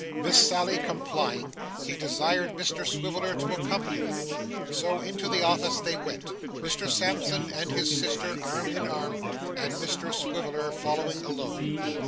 Miss Sally complying, he desired Mr Swiveller to accompany them. So, into the office they went; Mr Sampson and his sister arm in arm; and Mr Swiveller following, alone.